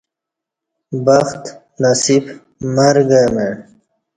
بخت نصیب مرگہ مع